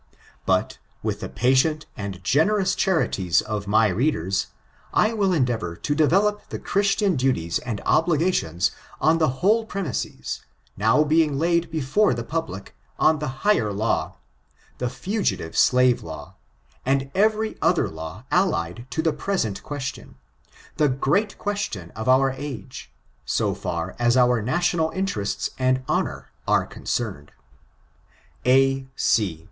But, with the patient and generotis charities of my readers, I will endeavor to develop the Christian duties and obligations on the whole premises, now being laid before the public, on the higher law, the Fugitive Slave Law, and every other law allied to the present question^ the great quebtion of the age, so far as our national interests and honor are concerned. A.